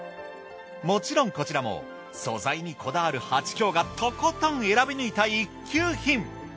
もちろんこちらも素材にこだわるはちきょうがとことん選び抜いた一級品。